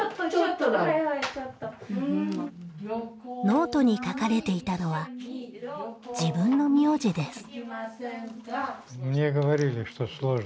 ノートに書かれていたのは自分の名字です。